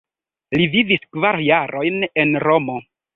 Li vivis kvar jarojn en Romo.